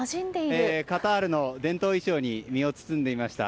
カタールの伝統衣装に身を包んでみました。